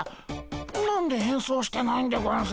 何で変装してないんでゴンス？